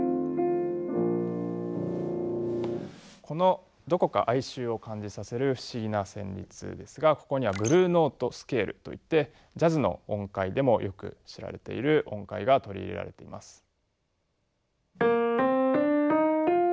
このどこか哀愁を感じさせる不思議な旋律ですがここにはブルーノート・スケールといってジャズの音階でもよく知られている音階が取り入れられています。